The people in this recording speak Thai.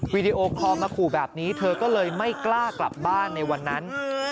วิดีโอคอลมาขู่แบบนี้เธอก็เลยไม่กล้ากลับบ้านในวันนั้น